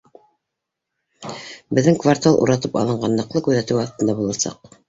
Беҙҙең квартал уратып алынған, ныҡлы күҙәтеү аҫтында буласаҡ